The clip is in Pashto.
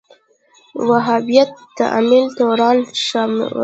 وهابیت تمایل تورن شول